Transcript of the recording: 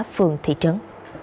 phường thị trấn